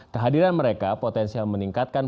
kehadiran mereka potensial meningkatkan